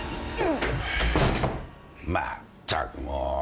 まったくもう。